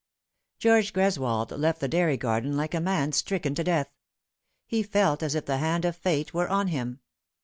GEORGE GRESWOLD left the dairy garden like a man stricken to death. He felt as if the hand of Fate were on him.